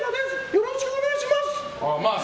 よろしくお願いします！